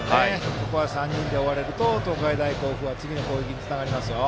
ここは３人で終われると東海大甲府は次の攻撃につながりますね。